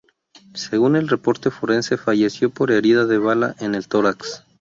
Según el reporte forense, falleció por herida de bala en el tórax.